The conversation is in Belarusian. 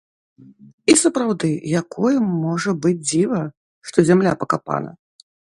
І сапраўды, якое можа быць дзіва, што зямля пакапана!